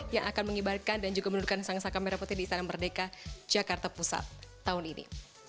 yang akan mengibarkan dan juga menurunkan sang saka merah putih di istana merdeka jakarta pusat tahun ini